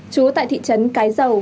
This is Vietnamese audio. chúa tại thị trấn cái dầu